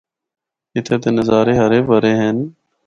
اِتھا دے نظارے ہرے بھرے ہن۔